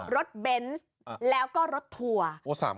รถเบนซแล้วก็รถทัวร์